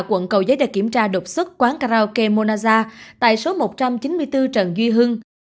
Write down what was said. quận cầu giấy đã kiểm tra đột xuất quán karaoke monaza tại số một trăm chín mươi bốn trần duy hưng